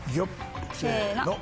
せの！